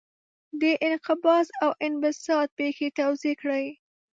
د انقباض او انبساط پېښې توضیح کړئ.